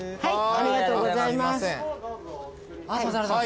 ありがとうございます。